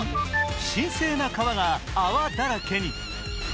神聖な川が泡だらけに。